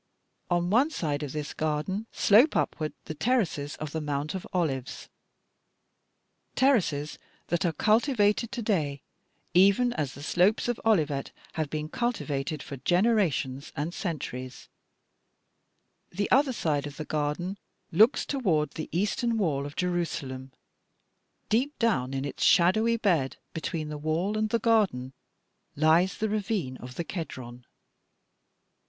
"'On one side of this garden slope upward the terraces of the Mount of Olives terraces that are cultivated to day even as the slopes of Olivet have been cultivated for generations and centuries. The other side of the garden looks toward the eastern wall of Jerusalem. Deep down in its shadowy bed, between the wall and the garden, lies the ravine of the Kedron. [Illustration: GARDEN OF GETHSEMANE.